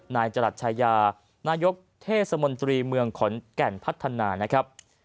นายกเทศมนตรีเมืองขนแก่นพัฒนา